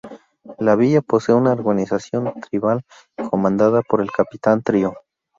La villa posee una organización tribal, comandada por el capitán Trio.